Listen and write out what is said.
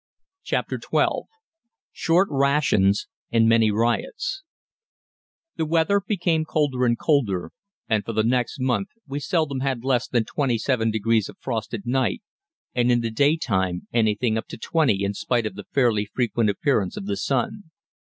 CHAPTER XII SHORT RATIONS AND MANY RIOTS The weather became colder and colder, and for the next month we seldom had less than 27° of frost at night, and in the day time anything up to 20° in spite of the fairly frequent appearance of the sun.